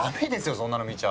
そんなの見ちゃ！